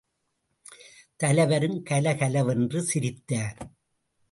தலைவரும் கலகலவென்று சிரித்தார்.